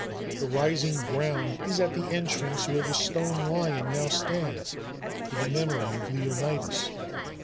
The rising ground is at the entrance where the stone lion now stands to the memory of Leonidas.